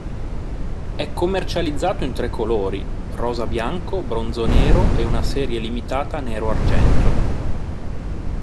È commercializzato in tre colori: rosa-bianco, bronzo-nero e una serie limitata nero-argento.